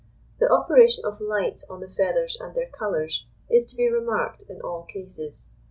The operation of light on the feathers and their colours, is to be remarked in all cases.